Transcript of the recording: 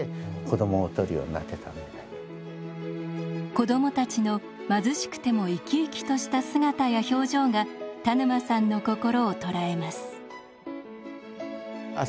子どもたちの貧しくても生き生きとした姿や表情が田沼さんの心を捉えます。